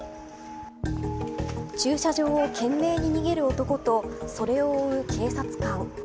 駐車場を懸命に逃げる男とそれを追う警察官。